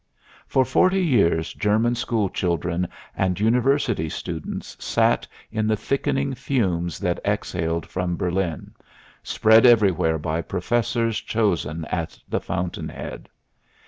For forty years German school children and university students sat in the thickening fumes that exhaled from Berlin, spread everywhere by professors chosen at the fountainhead.